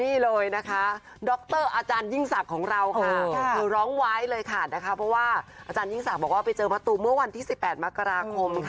นี่เลยดอยิ่งศักดิ์ของเราค่ะร้องไว้เลยค่ะประวัติประกอบว่าจยิ่งศักดิ์ไปเห้อประตูเมื่อวันที่๑๘มกรคม